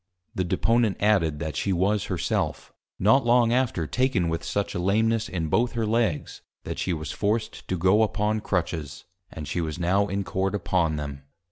The Deponent added, that she was Her self, not long after taken with such a Lameness, in both her Legs, that she was forced to go upon Crutches; and she was now in Court upon them.